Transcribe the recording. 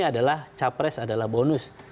adalah capres adalah bonus